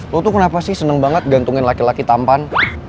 lu tuh kenapa sih seneng banget gantungin laki laki tampan